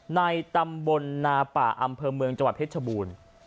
ในตำบลนาป่าอำเภอเมืองจังหวัดเพชรชบูรณ์